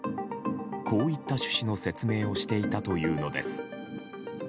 こういった趣旨の説明をしていたというのです。